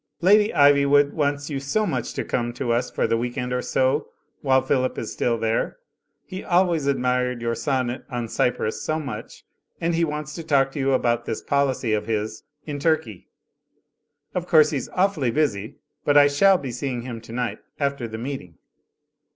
"Lady Ivywood wants you so much to come to us for the week end or so, while Philip is still there. He always admired your sonnet on C)^rus so much, and he wants to talk to you about this policy of his in Turkey, Of course he's awfully busy, but I shall be seeing him tonight after the meeting."